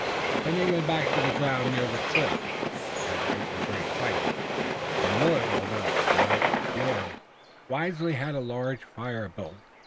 Then they went back to the ground near the cliff, where they had made their great fight, and Willet although the night was warm, wisely had a large fire built.